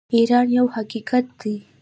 ایران یو حقیقت دی.